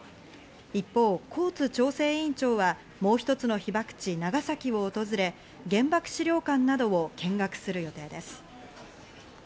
一方、コーツ調整委員長はもう一つの被爆地・長崎を訪れ、原爆資料館などを見学する予定です。